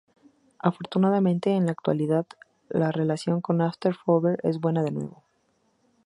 Afortunadamente, en la actualidad, la relación con After Forever es buena de nuevo.